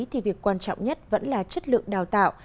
thì việc quan trọng nhất vẫn là chất lượng đào tạo